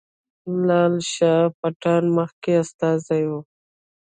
لال شاه پټان مخکې استازی وو.